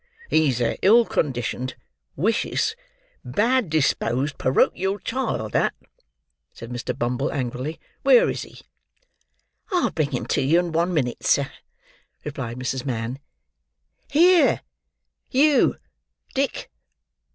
"He's a ill conditioned, wicious, bad disposed porochial child that," said Mr. Bumble angrily. "Where is he?" "I'll bring him to you in one minute, sir," replied Mrs. Mann. "Here, you Dick!"